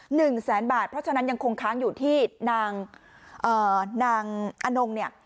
หนึ่งแสนบาทเพราะฉะนั้นยังคงค้างอยู่ที่นางเอ่อนางอนงเนี่ย